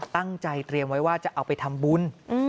ตั้งใจเตรียมไว้ว่าจะเอาไปทำบุญ